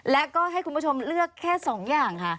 และก็ให้คุณผู้ชมเลือกแค่๒อย่างค่ะ